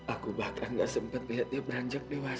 aku bahkan gak sempat lihat dia beranjak dewasa